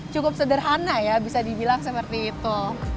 cukup sederhana ya bisa dibilang seperti itu